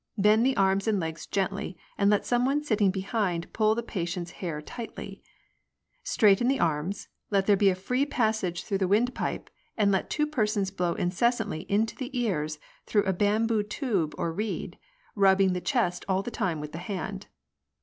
Bend the arms and legs gently, and let some one sitting behind pull the patient's hair tightly. Straighten the arras, let there be a free passage through the wind pipe, and let two persons blow incessantly into the ears through a bamboo tube or reed, rubbing the chest all the time with the hand.